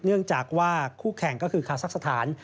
เนื่องจากว่าคู่แข่งก็คือคาซักสถาน